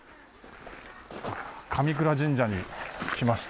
神倉神社に来ました。